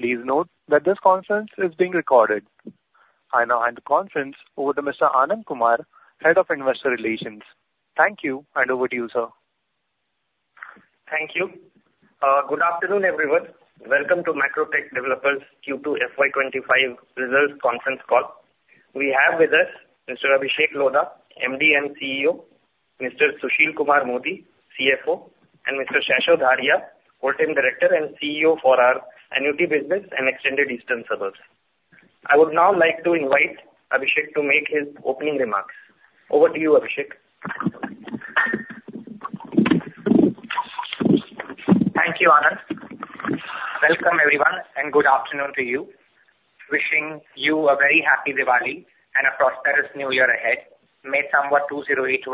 Please note that this conference is being recorded. I now hand the conference over to Mr. Anand Kumar, Head of Investor Relations. Thank you, and over to you, sir. Thank you. Good afternoon, everyone. Welcome to Macrotech Developers Q2 FY 2025 Results Conference Call. We have with us Mr. Abhishek Lodha, MD and CEO, Mr. Sushil Kumar Modi, CFO, and Mr. Shaishav Dharia, Whole-Time Director and CEO for our Annuity Business and Extended Eastern Suburbs. I would now like to invite Abhishek to make his opening remarks. Over to you, Abhishek. Thank you, Anand. Welcome, everyone, and good afternoon to you. Wishing you a very happy Diwali and a prosperous New Year ahead. May Samvat 2081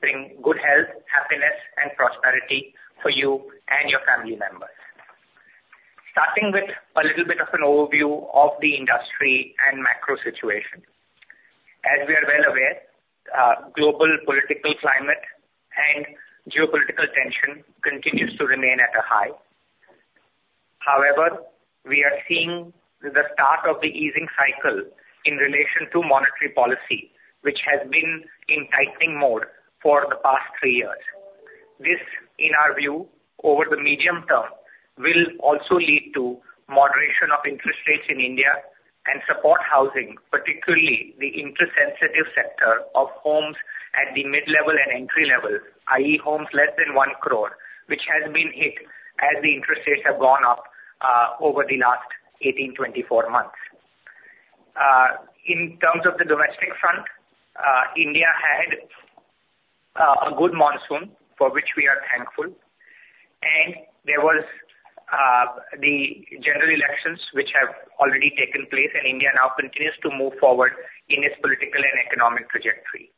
bring good health, happiness, and prosperity for you and your family members. Starting with a little bit of an overview of the industry and macro situation. As we are well aware, global political climate and geopolitical tension continues to remain at a high. However, we are seeing the start of the easing cycle in relation to monetary policy, which has been in tightening mode for the past three years. This, in our view, over the medium term, will also lead to moderation of interest rates in India and support housing, particularly the interest-sensitive sector of homes at the mid-level and entry-level, i.e., homes less than 1 crore, which has been hit as the interest rates have gone up, over the last 18-24 months. In terms of the domestic front, India had a good monsoon, for which we are thankful, and there was the general elections, which have already taken place, and India now continues to move forward in its political and economic trajectory.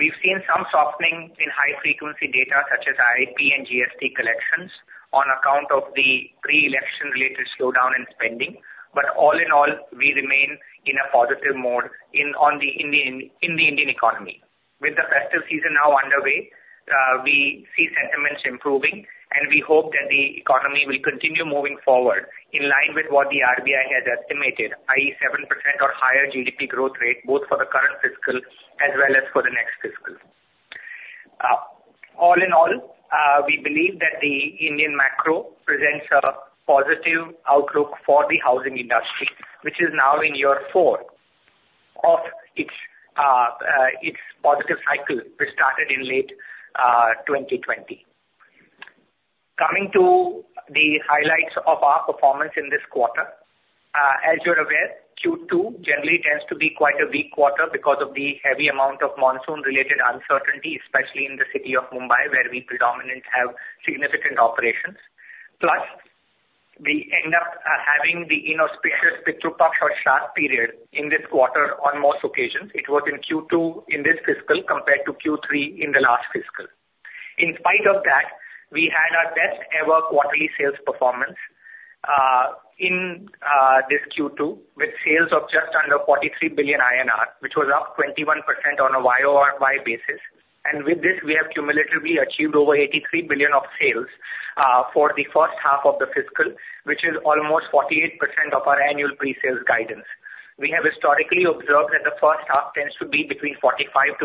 We've seen some softening in high-frequency data, such as IIP and GST collections, on account of the pre-election related slowdown in spending. But all in all, we remain in a positive mode in the Indian economy. With the festive season now underway, we see sentiments improving, and we hope that the economy will continue moving forward in line with what the RBI has estimated, i.e., 7% or higher GDP growth rate, both for the current fiscal as well as for the next fiscal. All in all, we believe that the Indian macro presents a positive outlook for the housing industry, which is now in year four of its positive cycle, which started in late 2020. Coming to the highlights of our performance in this quarter. As you're aware, Q2 generally tends to be quite a weak quarter because of the heavy amount of monsoon-related uncertainty, especially in the city of Mumbai, where we predominantly have significant operations. Plus, we end up having the inauspicious Pitru Paksha period in this quarter on most occasions. It was in Q2 in this fiscal, compared to Q3 in the last fiscal. In spite of that, we had our best-ever quarterly sales performance in this Q2, with sales of just under 43 billion INR, which was up 21% on a YoY basis. And with this, we have cumulatively achieved over 83 billion of sales for the first half of the fiscal, which is almost 48% of our annual pre-sales guidance. We have historically observed that the first half tends to be between 45%-48%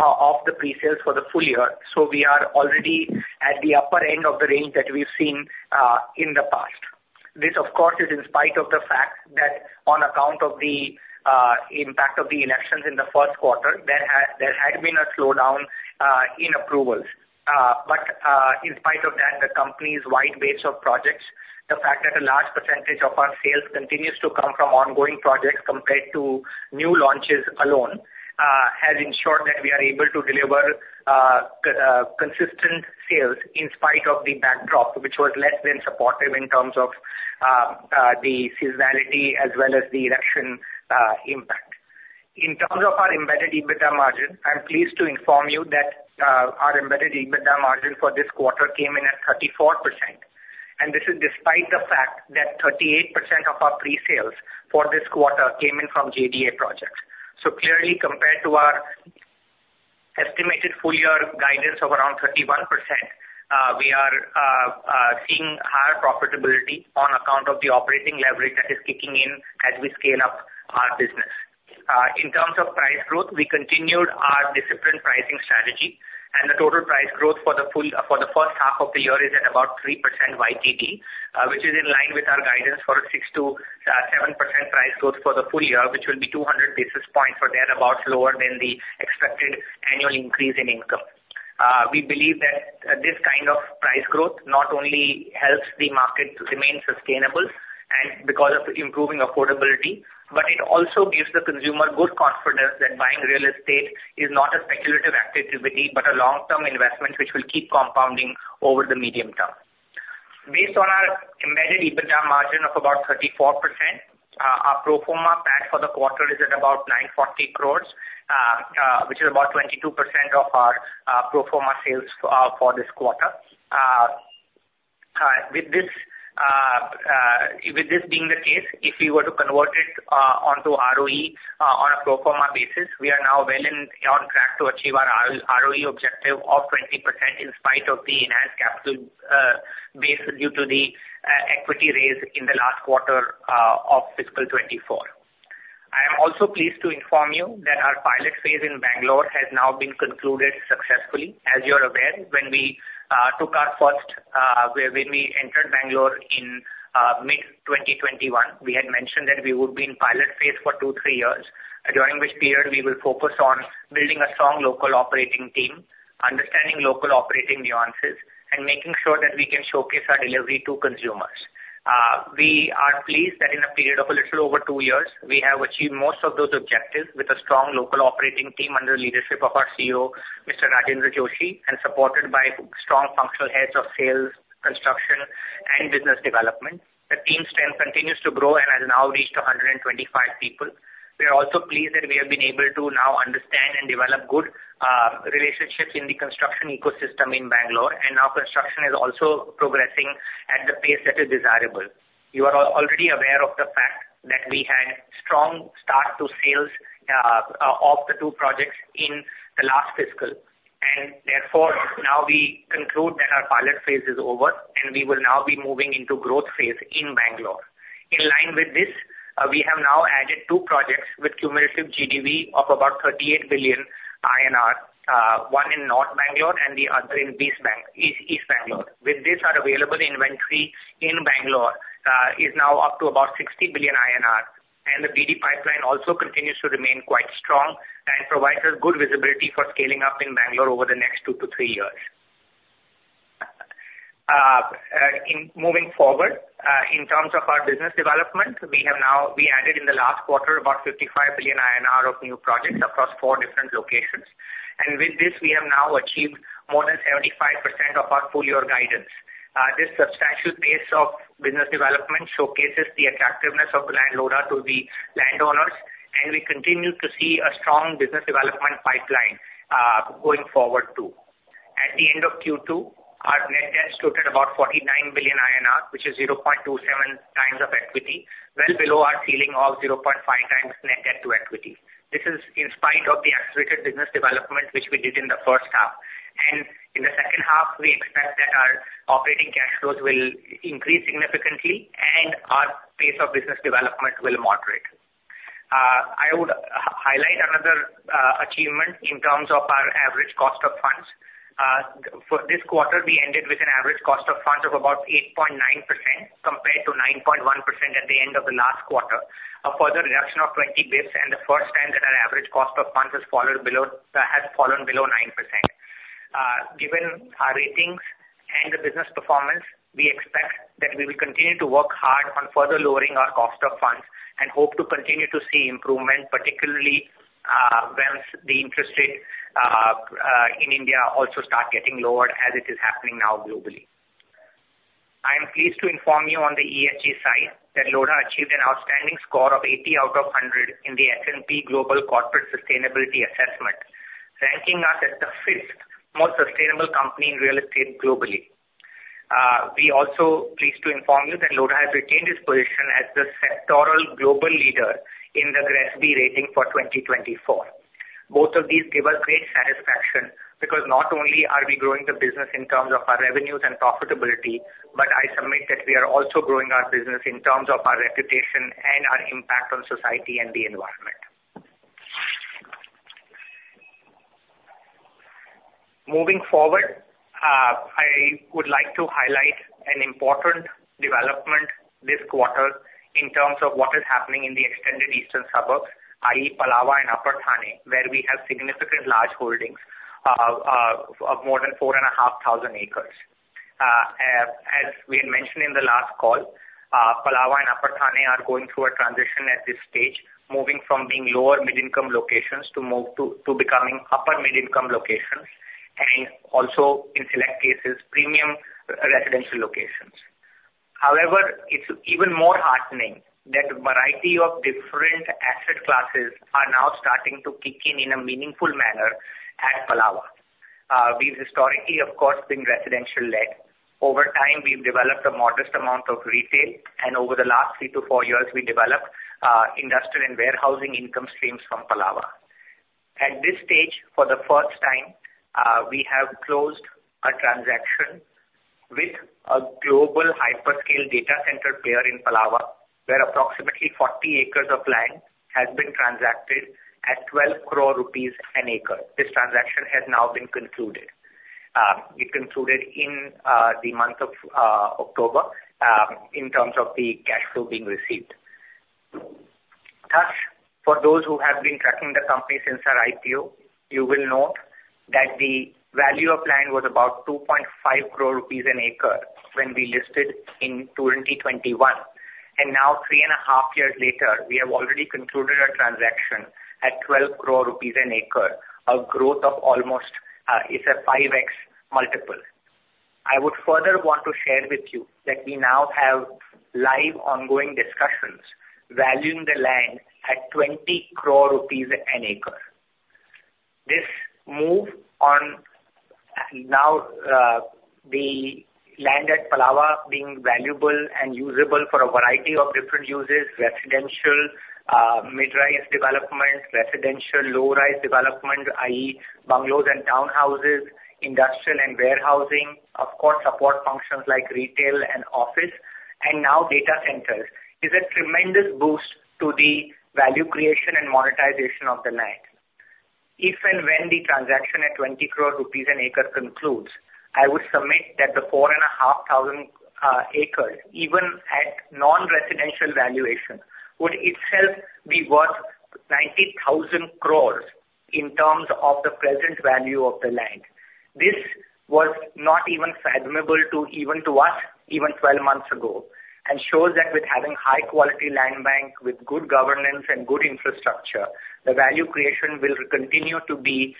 of the pre-sales for the full year, so we are already at the upper end of the range that we've seen in the past. This, of course, is in spite of the fact that on account of the impact of the elections in the first quarter, there had been a slowdown in approvals. But in spite of that, the company's wide base of projects, the fact that a large percentage of our sales continues to come from ongoing projects compared to new launches alone, has ensured that we are able to deliver consistent sales in spite of the backdrop, which was less than supportive in terms of the seasonality as well as the election impact. In terms of our embedded EBITDA margin, I'm pleased to inform you that our embedded EBITDA margin for this quarter came in at 34%, and this is despite the fact that 38% of our pre-sales for this quarter came in from JDA projects. So clearly, compared to our estimated full year guidance of around 31%, we are seeing higher profitability on account of the operating leverage that is kicking in as we scale up our business. In terms of price growth, we continued our disciplined pricing strategy, and the total price growth for the first half of the year is at about 3% YTD, which is in line with our guidance for a 6%-7% price growth for the full year, which will be 200 basis points or thereabout, lower than the expected annual increase in income. We believe that this kind of price growth not only helps the market to remain sustainable and because of improving affordability, but it also gives the consumer good confidence that buying real estate is not a speculative activity, but a long-term investment, which will keep compounding over the medium term. Based on our embedded EBITDA margin of about 34%, our pro forma PAT for the quarter is at about 940 crore, which is about 22% of our pro forma sales for this quarter. With this, With this being the case, if we were to convert it onto ROE on a pro forma basis, we are now well on track to achieve our ROE objective of 20%, in spite of the enhanced capital base due to the equity raise in the last quarter of fiscal 2024. I am also pleased to inform you that our pilot phase in Bangalore has now been concluded successfully. As you're aware, when we entered Bangalore in mid-2021, we had mentioned that we would be in pilot phase for two-three years, during which period we will focus on building a strong local operating team, understanding local operating nuances, and making sure that we can showcase our delivery to consumers. We are pleased that in a period of a little over two years, we have achieved most of those objectives with a strong local operating team under the leadership of our CEO, Mr. Rajendra Joshi, and supported by strong functional heads of sales, construction, and business development. The team's strength continues to grow and has now reached a 125 people. We are also pleased that we have been able to now understand and develop good relationships in the construction ecosystem in Bangalore, and now construction is also progressing at the pace that is desirable. You are already aware of the fact that we had strong start to sales of the two projects in the last fiscal, and therefore, now we conclude that our pilot phase is over, and we will now be moving into growth phase in Bangalore. In line with this, we have now added two projects with cumulative GDV of about 38 billion INR, one in North Bangalore and the other in East Bangalore. With this, our available inventory in Bangalore is now up to about 60 billion INR, and the BD pipeline also continues to remain quite strong and provides us good visibility for scaling up in Bangalore over the next two to three years. In moving forward, in terms of our business development, we have now added in the last quarter, about 55 billion INR of new projects across four different locations, and with this, we have now achieved more than 75% of our full year guidance. This substantial pace of business development showcases the attractiveness of the land to Lodha to the landowners, and we continue to see a strong business development pipeline, going forward, too. At the end of Q2, our net debt stood at about 49 billion INR, which is 0.27x of equity, well below our ceiling of 0.5x net debt to equity. This is in spite of the accelerated business development, which we did in the first half, and in the second half, we expect that our operating cash flows will increase significantly, and our pace of business development will moderate. I would highlight another achievement in terms of our average cost of funds. For this quarter, we ended with an average cost of funds of about 8.9%, compared to 9.1% at the end of the last quarter. A further reduction of 20 basis points, and the first time that our average cost of funds has fallen below 9%. Given our ratings and the business performance, we expect that we will continue to work hard on further lowering our cost of funds and hope to continue to see improvement, particularly, once the interest rate in India also start getting lowered as it is happening now globally. I am pleased to inform you on the ESG side, that Lodha achieved an outstanding score of 80 out of 100 in the S&P Global Corporate Sustainability Assessment, ranking us as the fifth most sustainable company in real estate globally. We are also pleased to inform you that Lodha has retained its position as the sectoral global leader in the GRESB rating for 2024. Both of these give us great satisfaction, because not only are we growing the business in terms of our revenues and profitability, but I submit that we are also growing our business in terms of our reputation and our impact on society and the environment. Moving forward, I would like to highlight an important development this quarter in terms of what is happening in the Extended Eastern Suburbs, i.e., Palava and Upper Thane, where we have significant large holdings of more than 4,500 acres. As we had mentioned in the last call, Palava and Upper Thane are going through a transition at this stage, moving from being lower mid-income locations to becoming upper mid-income locations, and also, in select cases, premium residential locations. However, it's even more heartening that a variety of different asset classes are now starting to kick in, in a meaningful manner at Palava. We've historically, of course, been residential-led. Over time, we've developed a modest amount of retail, and over the last three to four years, we developed industrial and warehousing income streams from Palava. At this stage, for the first time, we have closed a transaction with a global hyperscaler data center player in Palava, where approximately 40 acres of land has been transacted at 12 crore rupees an acre. This transaction has now been concluded. It concluded in the month of October in terms of the cash flow being received. Thus, for those who have been tracking the company since our IPO, you will note that the value of land was about 2.5 crore rupees an acre when we listed in 2021, and now three and a half years later, we have already concluded a transaction at 12 crore rupees an acre, a growth of almost, it's a 5x multiple. I would further want to share with you that we now have live ongoing discussions valuing the land at 20 crore rupees an acre. This move on now the land at Palava being valuable and usable for a variety of different uses, residential, mid-rise developments, residential low-rise development, i.e., bungalows and townhouses, industrial and warehousing, of course, support functions like retail and office, and now data centers, is a tremendous boost to the value creation and monetization of the land. If and when the transaction at INR 20 crore an acre concludes, I would submit that the 4,500 acres, even at non-residential valuation, would itself be worth 90,000 crore in terms of the present value of the land. This was not even fathomable to us, even 12 months ago, and shows that with having high quality land bank, with good governance and good infrastructure, the value creation will continue to be,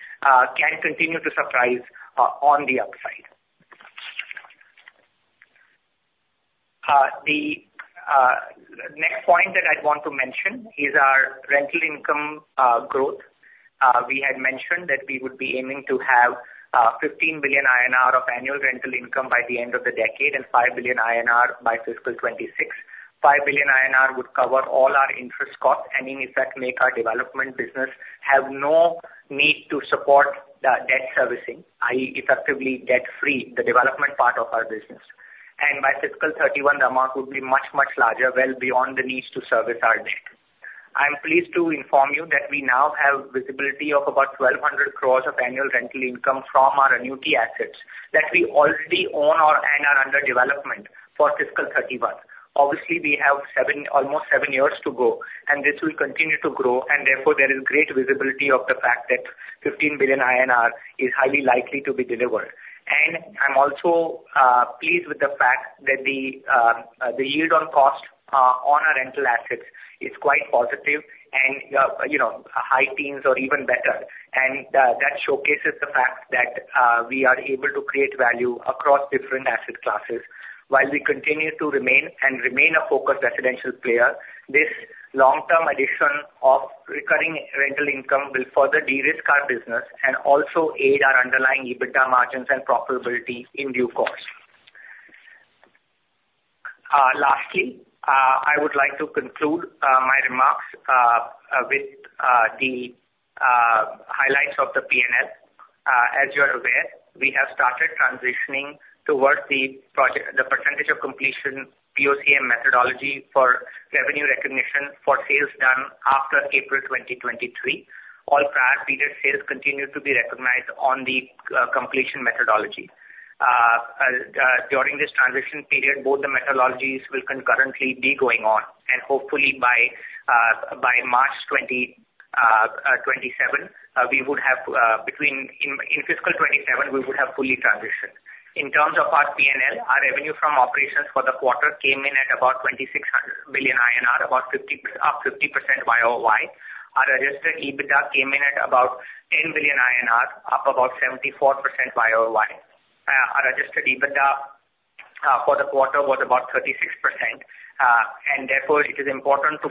can continue to surprise, on the upside. The next point that I'd want to mention is our rental income growth. We had mentioned that we would be aiming to have 15 billion INR of annual rental income by the end of the decade and 5 billion INR by fiscal 2026. 5 billion INR would cover all our interest costs and in effect, make our development business have no need to support the debt servicing, i.e., effectively debt-free, the development part of our business. And by fiscal 2031, the amount would be much, much larger, well beyond the needs to service our debt. I'm pleased to inform you that we now have visibility of about 1,200 crores of annual rental income from our annuity assets that we already own and are under development for fiscal 2031. Obviously, we have almost seven years to go, and this will continue to grow, and therefore there is great visibility of the fact that 15 billion INR is highly likely to be delivered. And I'm also pleased with the fact that the yield on cost on our rental assets is quite positive and, you know, high teens or even better. And that showcases the fact that we are able to create value across different asset classes, while we continue to remain a focused residential player. This long-term addition of recurring rental income will further de-risk our business and also aid our underlying EBITDA margins and profitability in due course. Lastly, I would like to conclude my remarks with the highlights of the P&L. As you are aware, we have started transitioning towards the project, the percentage of completion, POC, and methodology for revenue recognition for sales done after April 2023. All prior period sales continue to be recognized on the completion methodology. During this transition period, both the methodologies will concurrently be going on, and hopefully by March 2027 we would have. In fiscal 2027 we would have fully transitioned. In terms of our P&L, our revenue from operations for the quarter came in at about 26 billion INR, up about 50% YoY. Our reported EBITDA came in at about 10 billion INR, up about 74% YoY. Our reported EBITDA for the quarter was about 36%. And therefore, it is important to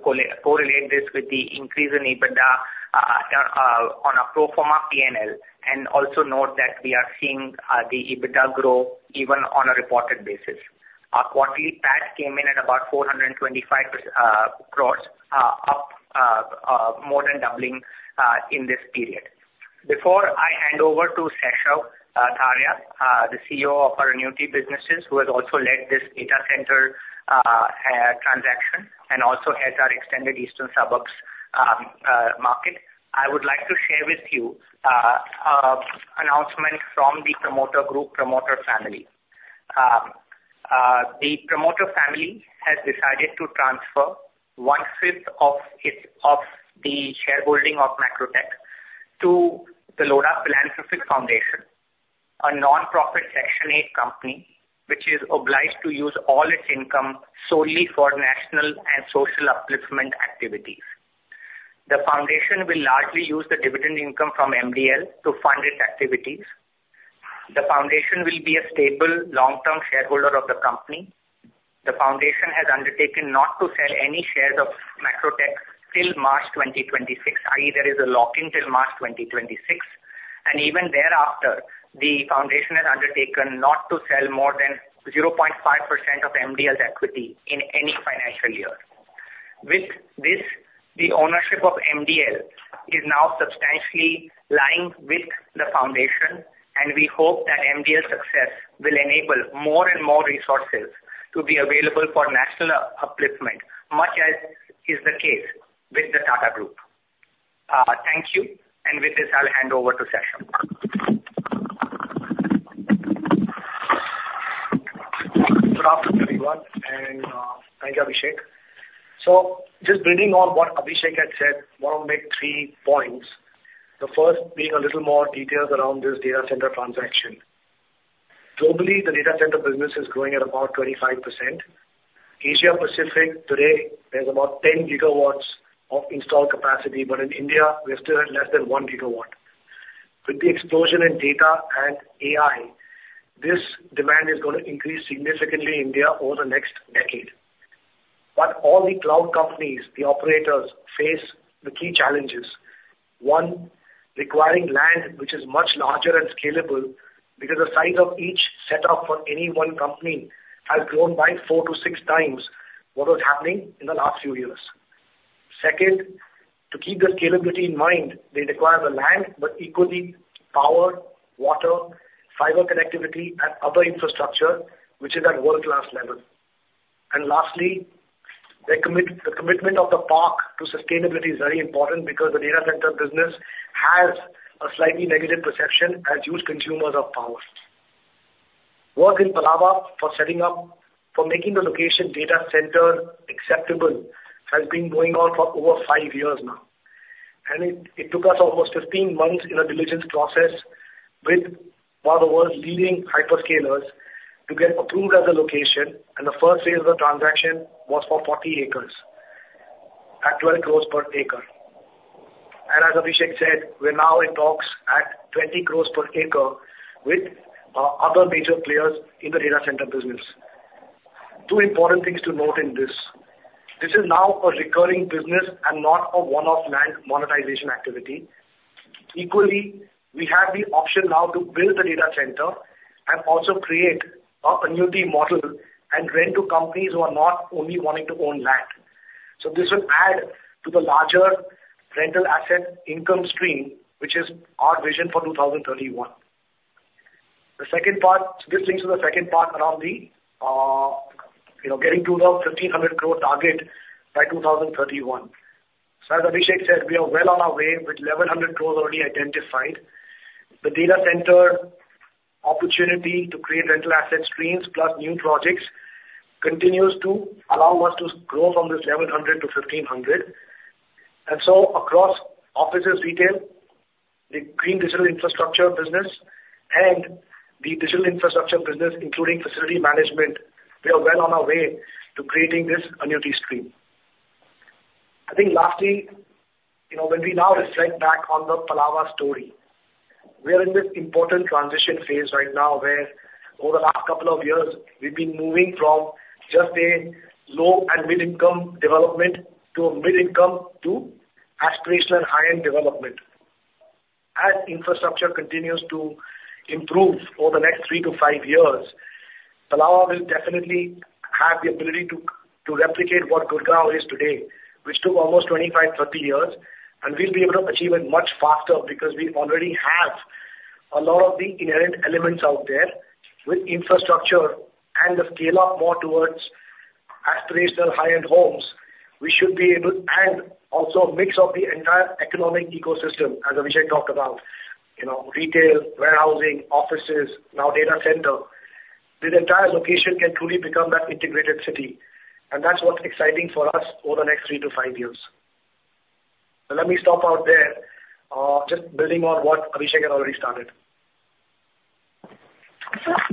correlate this with the increase in EBITDA on our pro forma P&L, and also note that we are seeing the EBITDA grow even on a reported basis. Our quarterly PAT came in at about 425 crore, up more than doubling in this period. Before I hand over to Shaishav Dharia, the CEO of our Annuity Businesses, who has also led this data center transaction and also has our Extended Eastern Suburbs market, I would like to share with you announcement from the promoter group, promoter family. The promoter family has decided to transfer one-fifth of the shareholding of Macrotech to the Lodha Philanthropic Foundation, a nonprofit Section 8 company, which is obliged to use all its income solely for national and social upliftment activities. The foundation will largely use the dividend income from MDL to fund its activities. The foundation will be a stable, long-term shareholder of the company. The foundation has undertaken not to sell any shares of Macrotech till March 2026, i.e., there is a lock-in till March 2026, and even thereafter, the foundation has undertaken not to sell more than zero point five percent of MDL's equity in any financial year. With this, the ownership of MDL is now substantially lying with the foundation, and we hope that MDL's success will enable more and more resources to be available for national upliftment, much as is the case with the Tata Group. Thank you, and with this, I'll hand over to Shaishav. Good afternoon, everyone, and thank you, Abhishek. So just building on what Abhishek had said, I want to make three points. The first being a little more details around this data center transaction. Globally, the data center business is growing at about 25%. Asia Pacific, today, has about 10 GW of installed capacity, but in India, we are still at less than 1 GW. With the explosion in data and AI, this demand is going to increase significantly in India over the next decade, but all the cloud companies, the operators, face the key challenges. One, requiring land which is much larger and scalable, because the size of each setup for any one company has grown by four to six times what was happening in the last few years. Second, to keep the scalability in mind, they require the land, but equally, power, water, fiber connectivity, and other infrastructure, which is at world-class level. And lastly, the commitment of the park to sustainability is very important because the data center business has a slightly negative perception as huge consumers of power. Work in Palava for setting up, for making the location data center acceptable, has been going on for over five years now, and it took us almost 15 months in a diligence process with one of the world's leading hyperscalers to get approved as a location, and the first phase of the transaction was for 40 acres at 12 crore per acre. And as Abhishek said, we're now in talks at 20 crore per acre with other major players in the data center business. Two important things to note in this: This is now a recurring business and not a one-off land monetization activity. Equally, we have the option now to build the data center and also create a annuity model and rent to companies who are not only wanting to own land. So this will add to the larger rental asset income stream, which is our vision for 2031. The second part, this leads to the second part around the, you know, getting to the 1,500 crore target by 2031. So as Abhishek said, we are well on our way with 1,100 crores already identified. The data center opportunity to create rental asset streams plus new projects continues to allow us to grow from this 1,100 to 1,500. And so across offices, retail, the Green Digital Infrastructure business, and the digital infrastructure business, including facility management, we are well on our way to creating this annuity stream. I think lastly, you know, when we now reflect back on the Palava story, we are in this important transition phase right now, where over the last couple of years we've been moving from just a low and mid-income development to a mid-income to aspirational high-end development. As infrastructure continues to improve over the next three to five years, Palava will definitely have the ability to replicate what Gurgaon is today, which took almost 25, 30 years, and we'll be able to achieve it much faster because we already have a lot of the inherent elements out there with infrastructure and the scale up more towards aspirational high-end homes. We should be able... And also a mix of the entire economic ecosystem, as Abhishek talked about, you know, retail, warehousing, offices, now data center. This entire location can truly become that integrated city, and that's what's exciting for us over the next three to five years. So let me stop out there, just building on what Abhishek has already started.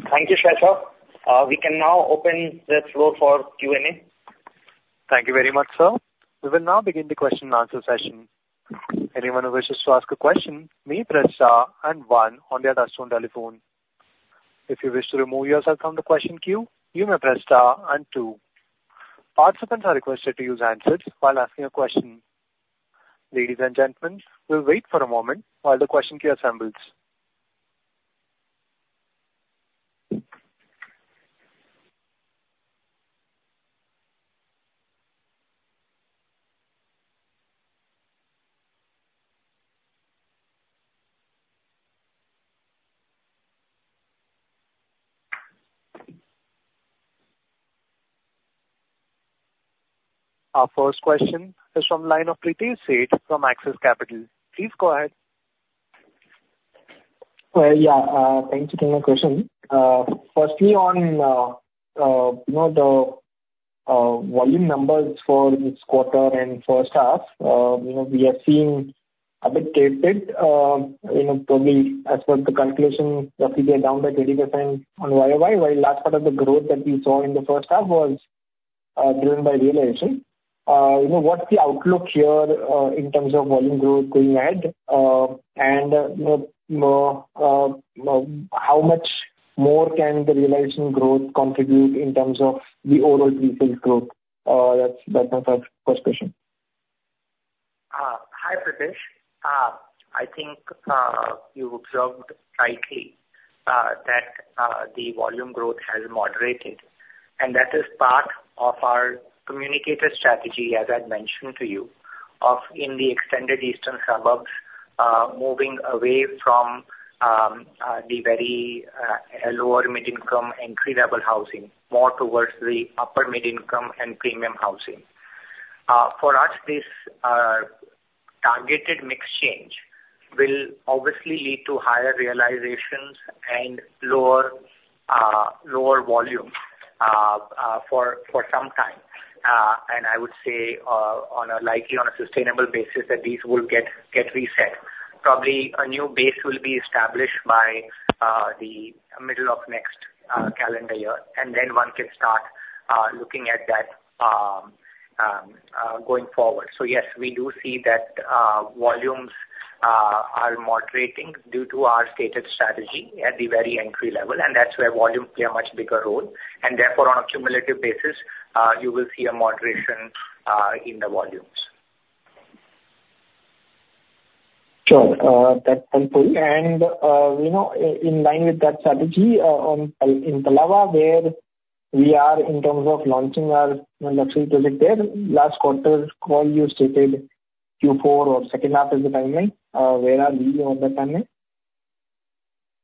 Thank you, Shaishav. We can now open the floor for Q&A. Thank you very much, sir. We will now begin the question and answer session. Anyone who wishes to ask a question may press star and one on their touchtone telephone. If you wish to remove yourself from the question queue, you may press star and two. Participants are requested to use handsets while asking a question. Ladies and gentlemen, we'll wait for a moment while the question queue assembles. Our first question is from line of Pritesh Sheth from Axis Capital. Please go ahead. Yeah, thank you for the question. Firstly, on you know, the volume numbers for this quarter and first half, you know, we have seen a bit tapered, you know, probably as per the calculation, roughly down by 30% on YoY, while last part of the growth that we saw in the first half was driven by realization. You know, what's the outlook here in terms of volume growth going ahead? And you know, how much more can the realization growth contribute in terms of the overall sales growth? That's, that's my first question. Hi, Pritesh. I think you observed rightly that the volume growth has moderated, and that is part of our communicated strategy, as I'd mentioned to you, of in the Extended Eastern Suburbs moving away from the very lower mid-income and affordable housing, more towards the upper mid-income and premium housing. For us, this targeted mix change will obviously lead to higher realizations and lower volume for some time, and I would say on a sustainable basis that these will get reset. Probably a new base will be established by the middle of next calendar year, and then one can start looking at that going forward. So yes, we do see that volumes... are moderating due to our stated strategy at the very entry level, and that's where volumes play a much bigger role. And therefore, on a cumulative basis, you will see a moderation in the volumes. Sure, that's helpful. And, you know, in line with that strategy, in Palava, where we are in terms of launching our luxury project there, last quarter call you stated Q4 or second half is the timing. Where are we on the timing?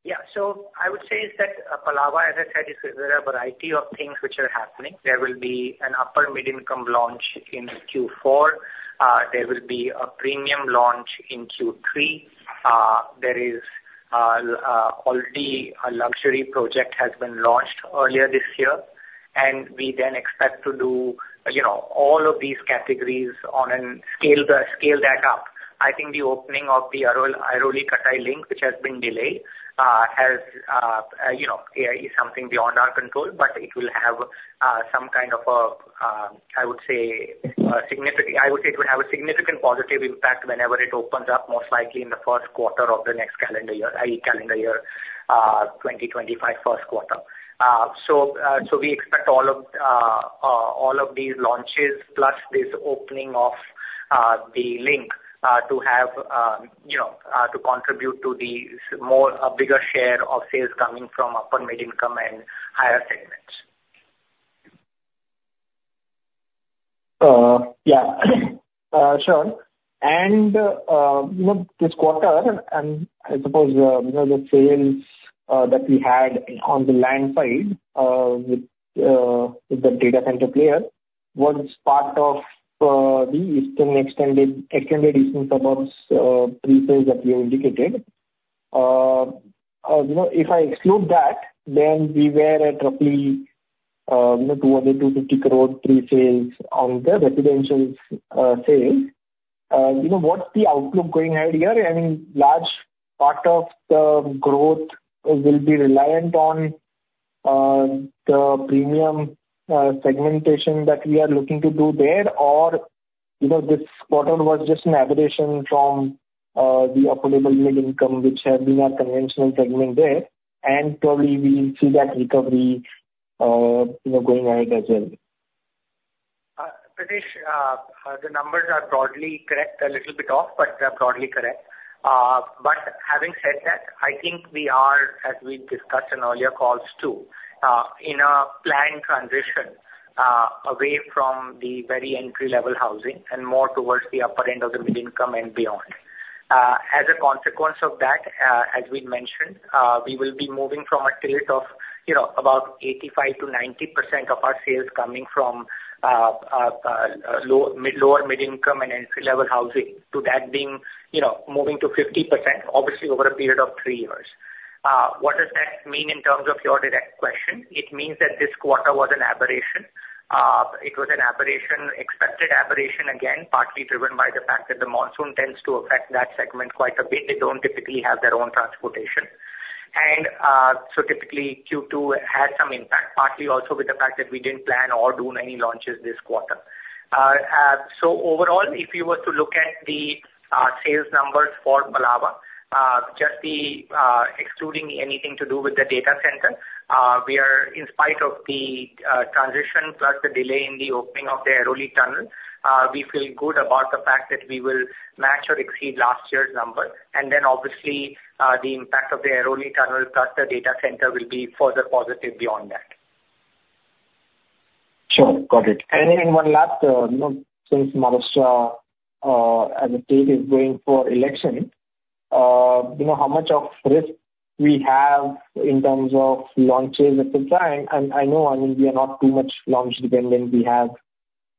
Yeah. So I would say that Palava, as I said, there are a variety of things which are happening. There will be an upper mid-income launch in Q4. There will be a premium launch in Q3. There is already a luxury project has been launched earlier this year, and we then expect to do, you know, all of these categories on a scale, scale that up. I think the opening of the Airoli-Katai link, which has been delayed, you know, is something beyond our control, but it will have some kind of, I would say, a significant positive impact whenever it opens up, most likely in the first quarter of the next calendar year, i.e., calendar year 2025, first quarter. So we expect all of these launches, plus this opening of the link, to have, you know, to contribute to the more, a bigger share of sales coming from upper mid-income and higher segments. Yeah. Sure, and you know, this quarter, and I suppose you know, the sales that we had on the land side with the data center player was part of the Extended Eastern Suburbs pre-sales that you indicated. You know, if I exclude that, then we were at roughly you know, 200 crore-250 crore pre-sales on the residential sales. You know, what's the outlook going ahead here? I mean, large part of the growth will be reliant on the premium segmentation that we are looking to do there, or you know, this quarter was just an aberration from the affordable mid-income, which had been our conventional segment there, and probably we see that recovery you know, going ahead as well. Pritesh, the numbers are broadly correct, a little bit off, but they are broadly correct, but having said that, I think we are, as we've discussed in earlier calls, too, in a planned transition, away from the very entry-level housing and more towards the upper end of the mid-income and beyond. As a consequence of that, as we've mentioned, we will be moving from a rate of, you know, about 85%-90% of our sales coming from, low, mid, lower mid-income and entry-level housing to that being, you know, moving to 50%, obviously, over a period of three years. What does that mean in terms of your direct question? It means that this quarter was an aberration. It was an aberration, expected aberration, again, partly driven by the fact that the monsoon tends to affect that segment quite a bit. They don't typically have their own transportation. And, so typically, Q2 had some impact, partly also with the fact that we didn't plan or do many launches this quarter. So overall, if you were to look at the sales numbers for Palava, just excluding anything to do with the data center, we are in spite of the transition plus the delay in the opening of the Airoli tunnel. We feel good about the fact that we will match or exceed last year's number. And then, obviously, the impact of the Airoli tunnel plus the data center will be further positive beyond that. Sure. Got it. And then one last, you know, since Maharashtra, as a state, is going for election, you know, how much of risk we have in terms of launches at this time? And I know, I mean, we are not too much launch dependent. We have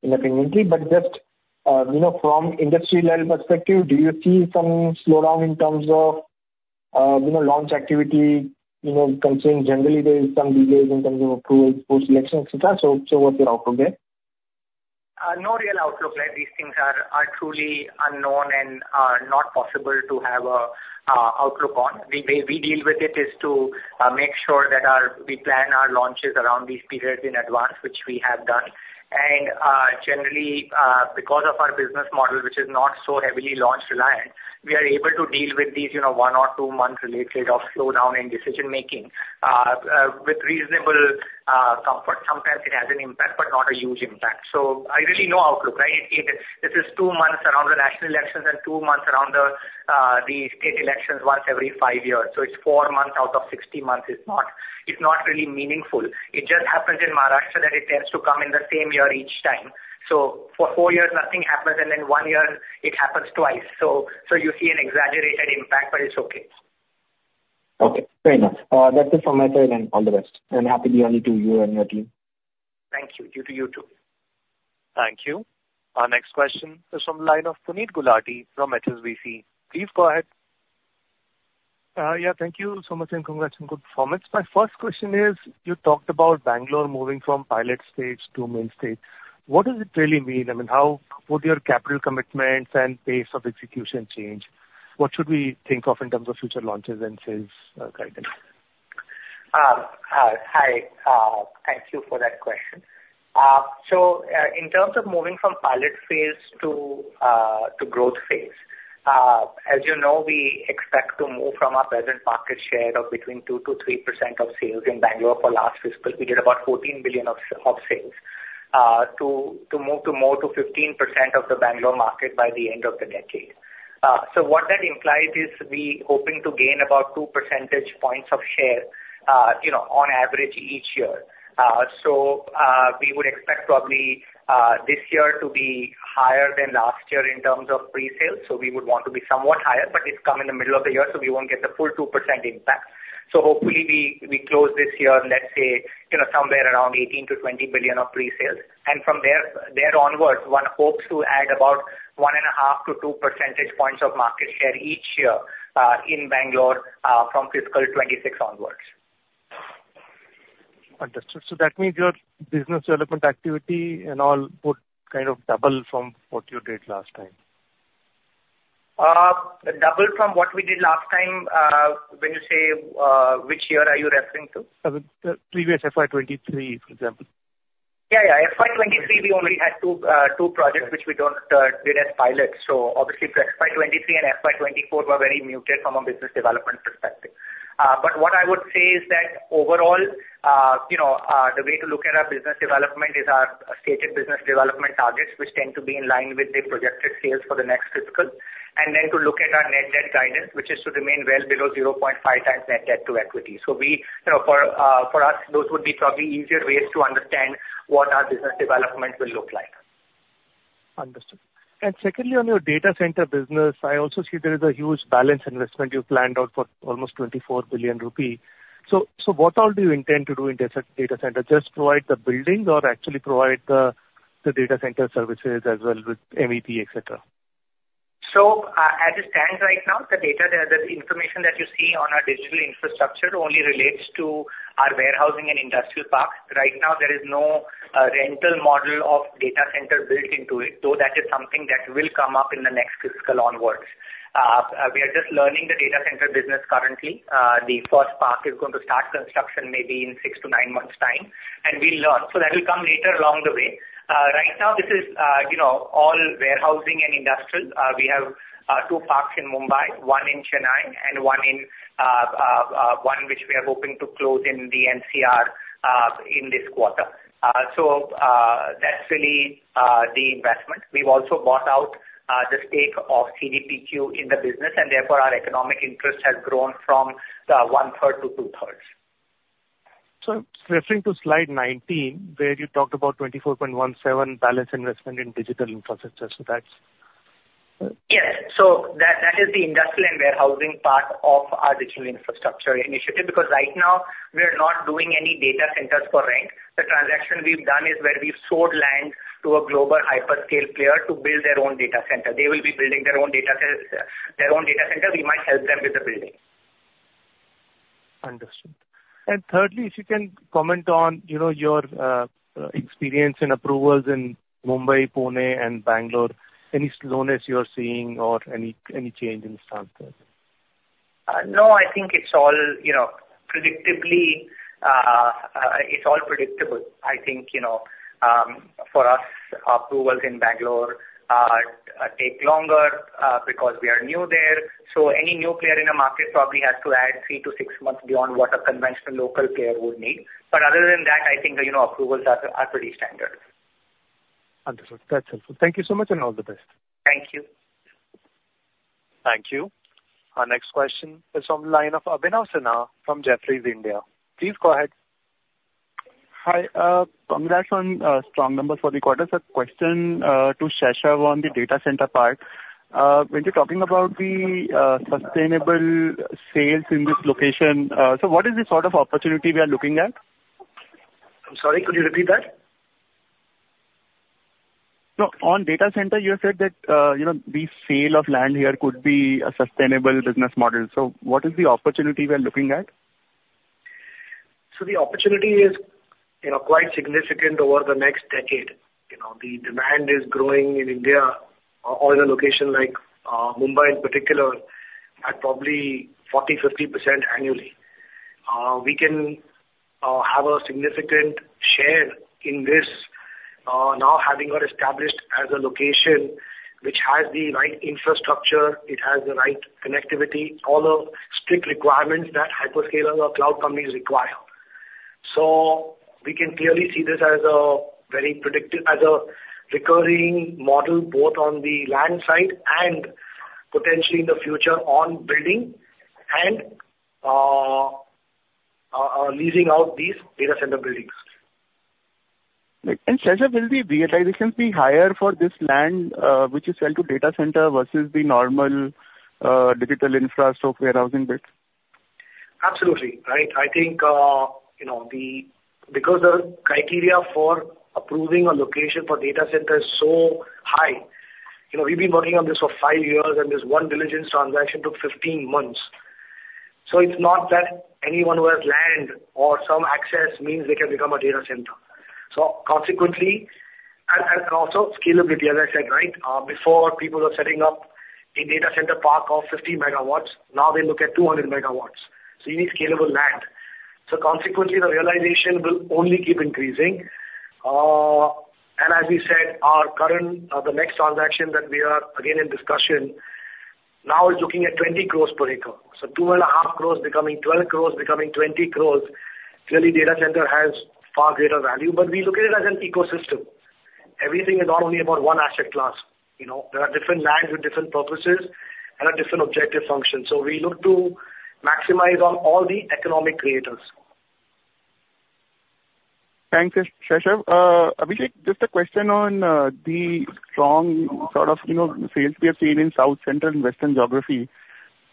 independently, but just, you know, from industry level perspective, do you see some slowdown in terms of, you know, launch activity, you know, concerning generally there is some delays in terms of approvals, post-election, et cetera? So what's your outlook there? No real outlook, right? These things are truly unknown and not possible to have an outlook on. The way we deal with it is to make sure that we plan our launches around these periods in advance, which we have done. Generally, because of our business model, which is not so heavily launch-reliant, we are able to deal with these, you know, one or two months related of slowdown in decision-making with reasonable comfort. Sometimes it has an impact, but not a huge impact. So really no outlook, right? It this is two months around the national elections and two months around the state elections once every five years. So it's four months out of sixty months. It's not really meaningful. It just happens in Maharashtra that it tends to come in the same year each time. So for four years nothing happens, and then one year it happens twice. So you see an exaggerated impact, but it's okay. Okay, fair enough. That's it from my side and all the best, and happy new year to you and your team. Thank you. To you, too. Thank you. Our next question is from the line of Puneet Gulati from HSBC. Please go ahead. Yeah, thank you so much, and congrats on good performance. My first question is, you talked about Bangalore moving from pilot stage to main stage. What does it really mean? I mean, how would your capital commitments and pace of execution change? What should we think of in terms of future launches and sales, guidance? Hi, thank you for that question. So, in terms of moving from pilot phase to growth phase, as you know, we expect to move from our present market share of between 2%-3% of sales in Bangalore for last fiscal. We did about 14 billion of sales, to move to more to 15% of the Bangalore market by the end of the decade. So what that implies is we're hoping to gain about two percentage points of share, you know, on average each year. So, we would expect probably this year to be higher than last year in terms of pre-sales, so we would want to be somewhat higher, but it's come in the middle of the year, so we won't get the full 2% impact. Hopefully we close this year, let's say, you know, somewhere around 18 billion-20 billion of pre-sales. From there onwards, one hopes to add about 1.5-2 percentage points of market share each year in Bangalore from fiscal 2026 onwards. Understood. So that means your business development activity and all would kind of double from what you did last time? Double from what we did last time, when you say, which year are you referring to? As in the previous FY 2023, for example. Yeah, yeah. FY 2023, we only had two projects which we did as pilots. So obviously, FY 2023 and FY 2024 were very muted from a business development perspective. But what I would say is that overall, you know, the way to look at our business development is our stated business development targets, which tend to be in line with the projected sales for the next fiscal. And then to look at our net debt guidance, which is to remain well below 0.5x net debt to equity. So we, you know, for us, those would be probably easier ways to understand what our business development will look like. Understood. Secondly, on your data center business, I also see there is a huge balance investment you planned out for almost 24 billion rupee. So what all do you intend to do in data center? Just provide the building or actually provide the data center services as well with MEP, et cetera? As it stands right now, the data, the information that you see on our digital infrastructure only relates to our warehousing and industrial parks. Right now, there is no rental model of data center built into it, though that is something that will come up in the next fiscal onwards. We are just learning the data center business currently. The first park is going to start construction maybe in six-to-nine months' time, and we'll learn. That will come later along the way. Right now, this is, you know, all warehousing and industrial. We have two parks in Mumbai, one in Chennai, and one which we are hoping to close in the NCR in this quarter. That's really the investment. We've also bought out the stake of CDPQ in the business, and therefore, our economic interest has grown from 1/3 to 2/3. So referring to slide 19, where you talked about 24.17 billion investment in digital infrastructure, so that's- Yes. That is the industrial and warehousing part of our digital infrastructure initiative, because right now we are not doing any data centers for rent. The transaction we've done is where we've sold land to a global hyperscaler to build their own data center. They will be building their own data center, their own data center. We might help them with the building. Understood. And thirdly, if you can comment on, you know, your experience and approvals in Mumbai, Pune, and Bangalore. Any slowness you are seeing or any change in stance there? No, I think it's all, you know, predictably, it's all predictable. I think, you know, for us, approvals in Bangalore take longer because we are new there. So any new player in a market probably has to add three to six months beyond what a conventional local player would need. But other than that, I think, you know, approvals are pretty standard. Understood. That's helpful. Thank you so much, and all the best. Thank you. Thank you. Our next question is from the line of Abhinav Sinha from Jefferies India. Please go ahead. Hi, congrats on strong numbers for the quarter. So, question to Shaishav on the data center part. When you're talking about the sustainable sales in this location, so what is the sort of opportunity we are looking at? I'm sorry, could you repeat that? No. On data center, you have said that, you know, the sale of land here could be a sustainable business model. So what is the opportunity we're looking at? The opportunity is, you know, quite significant over the next decade. You know, the demand is growing in India or in a location like Mumbai in particular, at probably 40-50% annually. We can have a significant share in this, now having got established as a location which has the right infrastructure, it has the right connectivity, all the strict requirements that hyperscalers or cloud companies require. We can clearly see this as a very predictive as a recurring model, both on the land side and potentially in the future, on building and leasing out these data center buildings. Great. And Shaishav, will the realizations be higher for this land, which is sold to data center versus the normal, digital infra, so warehousing bits? Absolutely, right. I think, you know, because the criteria for approving a location for data center is so high, you know, we've been working on this for five years, and this one diligence transaction took fifteen months. So it's not that anyone who has land or some access means they can become a data center. So consequently, and also scalability, as I said, right? Before people were setting up-... a data center park of 50 MW, now we look at 200 MW. So you need scalable land. So consequently, the realization will only keep increasing. And as we said, our current, the next transaction that we are again in discussion, now is looking at 20 crores per acre. So 2.5 crores becoming 12 crores, becoming 20 crores. Clearly, data center has far greater value, but we look at it as an ecosystem. Everything is not only about one asset class, you know? There are different lands with different purposes and a different objective function, so we look to maximize on all the economic creators. Thanks, Shaishav. Abhishek, just a question on the strong sort of, you know, sales we have seen in South Central and Western geography.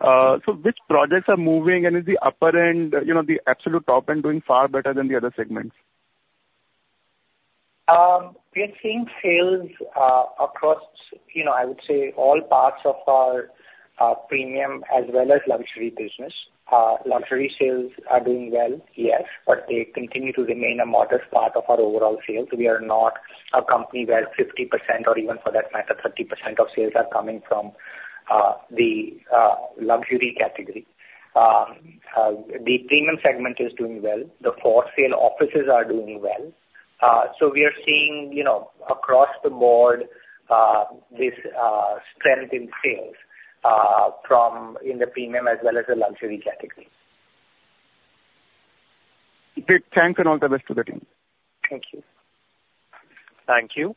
So which projects are moving, and is the upper end, you know, the absolute top end, doing far better than the other segments? We are seeing sales across, you know, I would say all parts of our premium as well as luxury business. Luxury sales are doing well, yes, but they continue to remain a modest part of our overall sales. We are not a company where 50% or even for that matter, 30% of sales are coming from the luxury category. The premium segment is doing well. The for-sale offices are doing well. So we are seeing, you know, across the board this strength in sales from the premium as well as the luxury category. Great! Thanks and all the best to the team. Thank you. Thank you.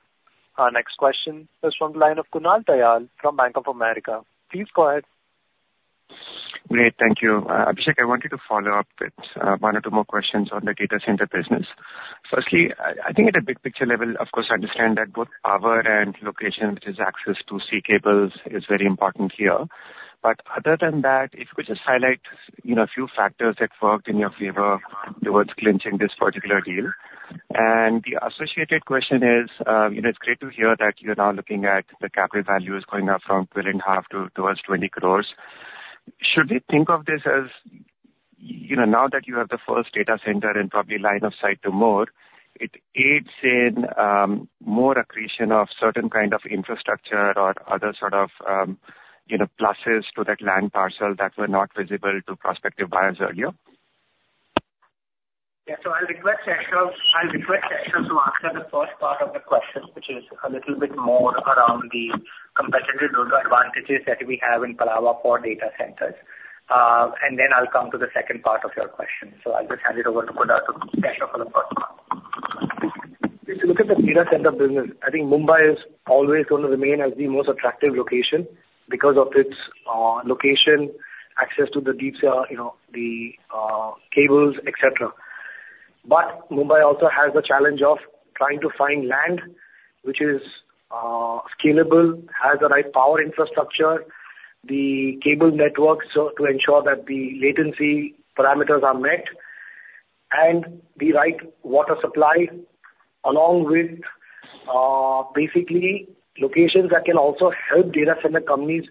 Our next question is from the line of Kunal Tayal from Bank of America. Please go ahead. Great, thank you. Abhishek, I wanted to follow up with one or two more questions on the data center business. Firstly, I think at a big picture level, of course, I understand that both power and location, which is access to sea cables, is very important here. But other than that, if you could just highlight, you know, a few factors that worked in your favor towards clinching this particular deal. And the associated question is, you know, it's great to hear that you're now looking at the capital values going up from 12.5 to towards 20 crores. Should we think of this as, you know, now that you have the first data center and probably line of sight to more, it aids in, more accretion of certain kind of infrastructure or other sort of, you know, pluses to that land parcel that were not visible to prospective buyers earlier? Yeah. So I'll request Shaishav, I'll request Shaishav to answer the first part of the question, which is a little bit more around the competitive advantages that we have in Palava for data centers. And then I'll come to the second part of your question. So I'll just hand it over to Shaishav for the first one. If you look at the data center business, I think Mumbai is always going to remain as the most attractive location because of its location, access to the deep sea, you know, the cables, et cetera. But Mumbai also has the challenge of trying to find land which is scalable, has the right power infrastructure, the cable network, so to ensure that the latency parameters are met, and the right water supply, along with basically locations that can also help data center companies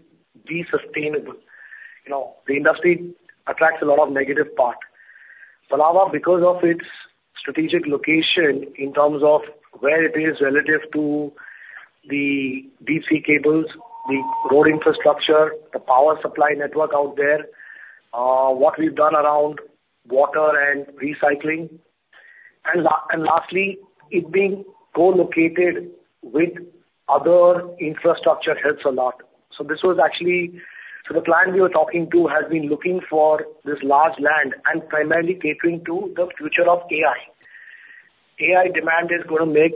be sustainable. You know, the industry attracts a lot of negative PR. Palava, because of its strategic location in terms of where it is relative to the DC cables, the road infrastructure, the power supply network out there, what we've done around water and recycling, and lastly, it being co-located with other infrastructure helps a lot. So this was actually. So the client we were talking to has been looking for this large land and primarily catering to the future of AI. AI demand is gonna make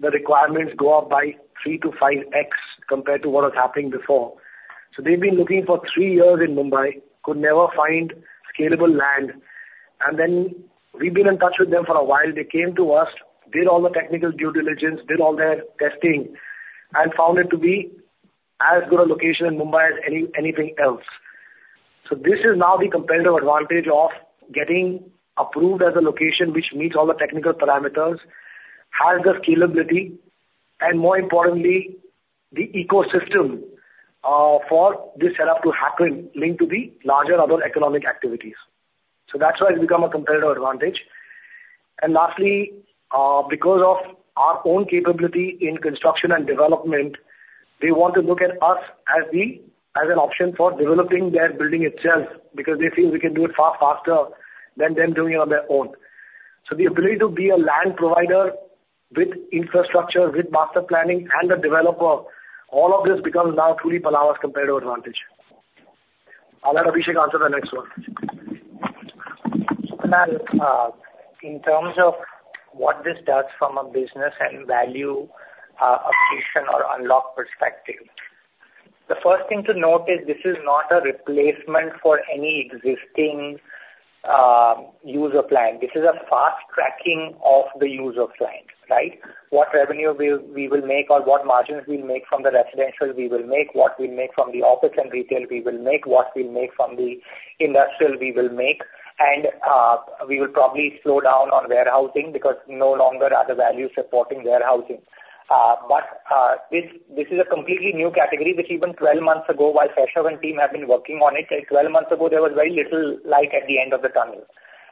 the requirements go up by three to five X compared to what was happening before. So they've been looking for three years in Mumbai, could never find scalable land, and then we've been in touch with them for a while. They came to us, did all the technical due diligence, did all their testing, and found it to be as good a location in Mumbai as anything else. So this is now the competitive advantage of getting approved as a location which meets all the technical parameters, has the scalability, and more importantly, the ecosystem for this setup to happen, linked to the larger other economic activities. So that's why it's become a competitive advantage. Lastly, because of our own capability in construction and development, they want to look at us as an option for developing their building itself, because they feel we can do it far faster than them doing it on their own. So the ability to be a land provider with infrastructure, with master planning and a developer, all of this becomes now truly Palava's competitive advantage. I'll let Abhishek answer the next one. In terms of what this does from a business and value accretion or unlock perspective, the first thing to note is this is not a replacement for any existing user plan. This is a fast-tracking of the user plan, right? What revenue we will make or what margins we'll make from the residential, we will make. What we make from the office and retail, we will make. What we make from the industrial, we will make. We will probably slow down on warehousing because no longer are the values supporting warehousing. But this is a completely new category, which even 12 months ago, while Shaishav and team have been working on it, there was very little light at the end of the tunnel.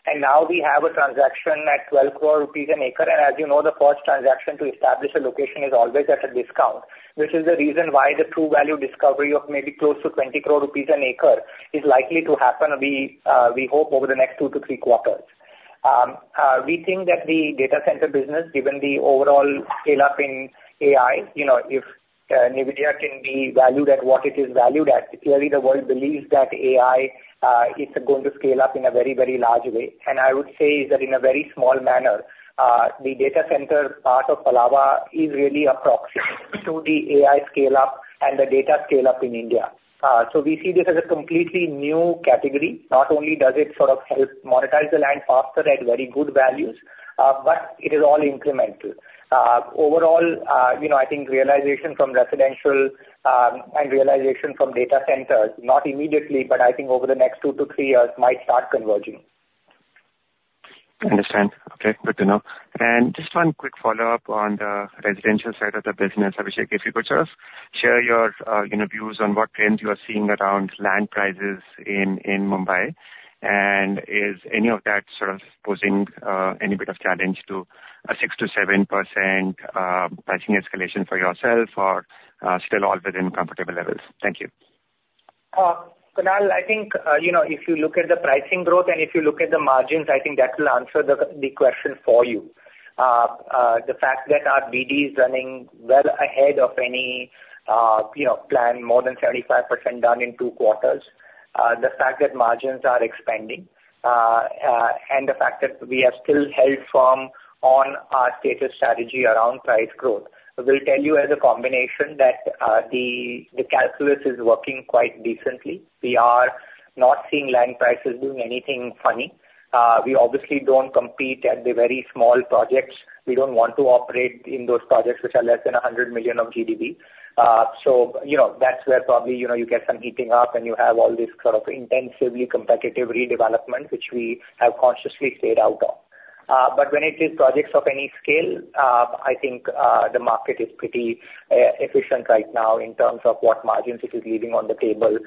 And now we have a transaction at 12 crore rupees an acre, and as you know, the first transaction to establish a location is always at a discount. This is the reason why the true value discovery of maybe close to 20 crore rupees an acre is likely to happen. We hope over the next two to three quarters. We think that the data center business, given the overall scale-up in AI, you know, if NVIDIA can be valued at what it is valued at, clearly the world believes that AI is going to scale up in a very, very large way. And I would say that in a very small manner, the data center part of Palava is really a proxy to the AI scale-up and the data scale-up in India. So we see this as a completely new category. Not only does it sort of help monetize the land faster at very good values, but it is all incremental. Overall, you know, I think realization from residential, and realization from data centers, not immediately, but I think over the next two to three years, might start converging. Understand. Okay, good to know. And just one quick follow-up on the residential side of the business. Abhishek, if you could just share your, you know, views on what trends you are seeing around land prices in Mumbai, and is any of that sort of posing any bit of challenge to a 6%-7% pricing escalation for yourself, or still all within comfortable levels? Thank you. Kunal, I think, you know, if you look at the pricing growth and if you look at the margins, I think that will answer the question for you. The fact that our BD is running well ahead of any, you know, plan, more than 35% done in two quarters. The fact that margins are expanding, and the fact that we have still held firm on our stated strategy around price growth will tell you as a combination that the calculus is working quite decently. We are not seeing land prices doing anything funny. We obviously don't compete at the very small projects. We don't want to operate in those projects which are less than 100 million of GDV. So you know, that's where probably, you know, you get some heating up, and you have all this sort of intensively competitive redevelopment, which we have consciously stayed out of. But when it is projects of any scale, I think the market is pretty efficient right now in terms of what margins it is leaving on the table.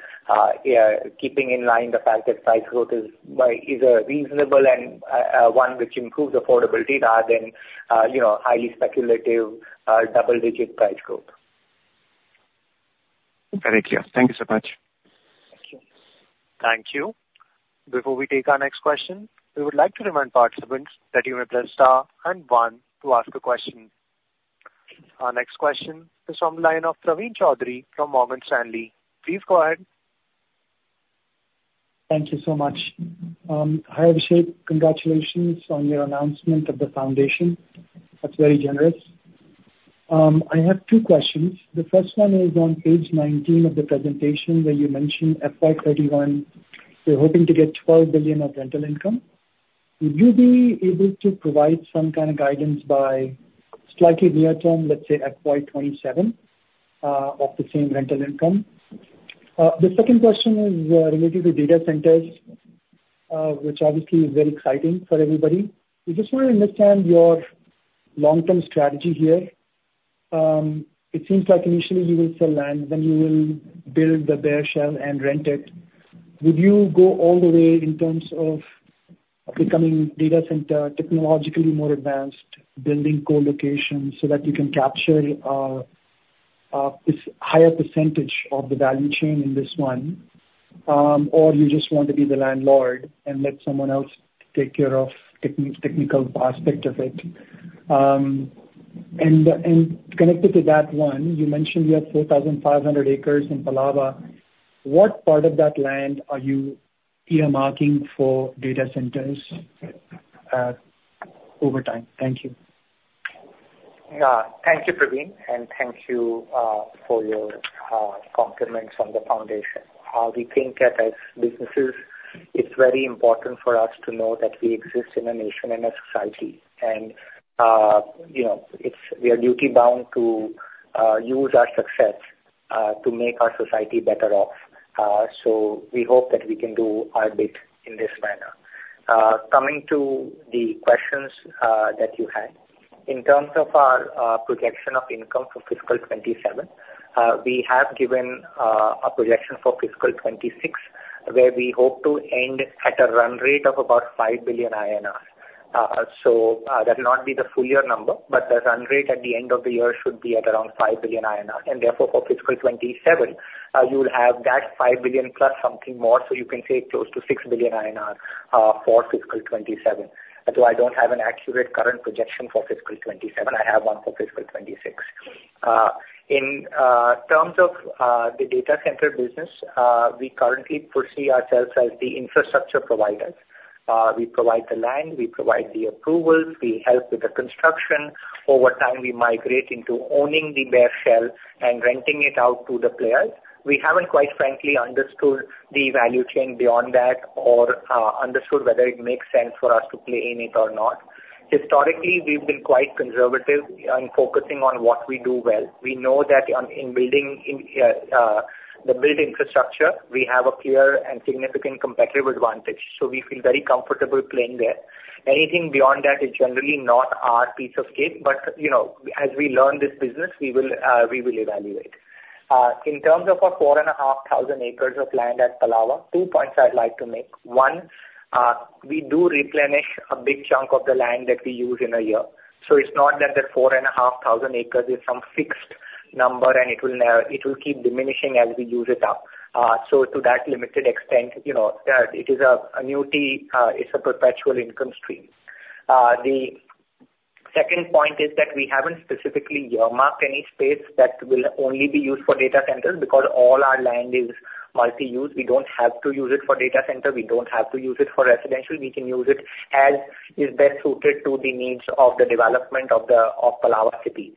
Yeah, keeping in line the fact that price growth is a reasonable and one which improves affordability rather than you know, highly speculative double-digit price growth. Very clear. Thank you so much. Thank you. Thank you. Before we take our next question, we would like to remind participants that you may press star and one to ask a question. Our next question is on the line of Praveen Choudhary from Morgan Stanley. Please go ahead. Thank you so much. Hi, Abhishek. Congratulations on your announcement of the foundation. That's very generous. I have two questions. The first one is on page 19 of the presentation, where you mentioned FY 2031, you're hoping to get 12 billion of rental income. Would you be able to provide some kind of guidance by slightly near term, let's say FY 2027, of the same rental income? The second question is related to data centers, which obviously is very exciting for everybody. We just want to understand your long-term strategy here. It seems like initially you will sell land, then you will build the bare shell and rent it. Would you go all the way in terms of becoming data center, technologically more advanced, building co-location, so that you can capture this higher percentage of the value chain in this one? Or you just want to be the landlord and let someone else take care of the technical aspect of it? And connected to that one, you mentioned you have 4,500 acres in Palava. What part of that land are you earmarking for data centers over time? Thank you. Thank you, Praveen, and thank you for your compliments on the foundation. We think that as businesses, it's very important for us to know that we exist in a nation and a society, and you know, it's... We are duty-bound to use our success to make our society better off. So we hope that we can do our bit in this manner. Coming to the questions that you had. In terms of our projection of income for fiscal 2027, we have given a projection for fiscal 2026, where we hope to end at a run rate of about 5 billion INR. That not be the full year number, but the run rate at the end of the year should be at around 5 billion INR, and therefore, for fiscal 2027, you'll have that 5 billion plus something more, so you can say close to 6 billion INR for fiscal 2027. Although I don't have an accurate current projection for fiscal 2027, I have one for fiscal 2026. In terms of the data center business, we currently foresee ourselves as the infrastructure providers. We provide the land, we provide the approvals, we help with the construction. Over time, we migrate into owning the bare shell and renting it out to the players. We haven't, quite frankly, understood the value chain beyond that or understood whether it makes sense for us to play in it or not. Historically, we've been quite conservative in focusing on what we do well. We know that in building the built infrastructure, we have a clear and significant competitive advantage, so we feel very comfortable playing there. Anything beyond that is generally not our piece of cake, but, you know, as we learn this business, we will evaluate. In terms of our 4,500 acres of land at Palava, two points I'd like to make. One, we do replenish a big chunk of the land that we use in a year. So it's not that the 4,500 acres is some fixed number, and it will keep diminishing as we use it up. So to that limited extent, you know, it is an annuity. It's a perpetual income stream. The second point is that we haven't specifically earmarked any space that will only be used for data centers, because all our land is multi-use. We don't have to use it for data center. We don't have to use it for residential. We can use it as is best suited to the needs of the development of Palava City.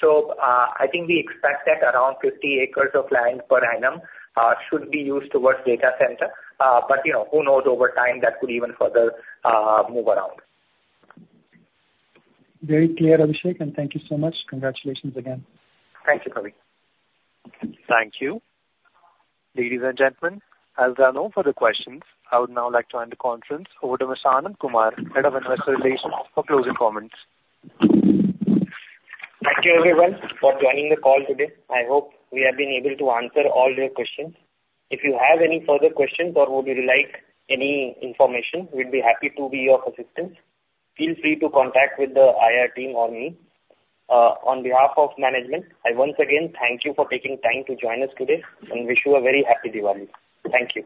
So, I think we expect that around 50 acres of land per annum should be used towards data center. But, you know, who knows? Over time, that could even further move around. Very clear, Abhishek, and thank you so much. Congratulations again. Thank you, Praveen. Thank you. Ladies and gentlemen, as there are no further questions, I would now like to hand the conference over to Anand Kumar, Head of Investor Relations, for closing comments. Thank you everyone for joining the call today. I hope we have been able to answer all your questions. If you have any further questions or would you like any information, we'd be happy to be of assistance. Feel free to contact with the IR team or me. On behalf of management, I once again thank you for taking time to join us today, and wish you a very happy Diwali. Thank you.